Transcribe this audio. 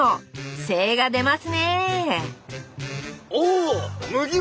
精が出ますね